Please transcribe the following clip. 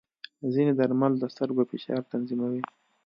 ځینې درمل د سترګو فشار تنظیموي.